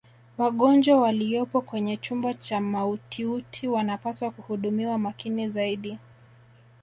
wagonjwa waliyopo kwenye chumba cha mautiuti wanapaswa kuhudumiwa makini zaidi